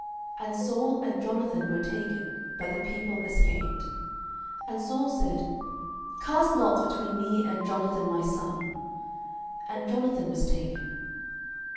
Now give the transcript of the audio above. And Saul and Jonathan were taken: but the people escaped. 09:014:042 And Saul said, Cast lots between me and Jonathan my son. And Jonathan was taken.